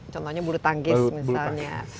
contohnya bulu tanggis misalnya